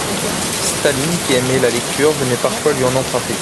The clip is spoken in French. Staline qui aimait la lecture venait parfois lui en emprunter.